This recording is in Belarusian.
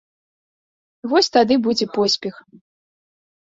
Вось тады будзе поспех.